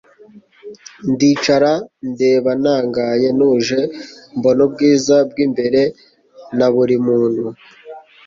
Ndicara ndeba ntangaye ntuje mbona ubwiza bwimbere na buri muntu